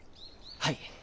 はい。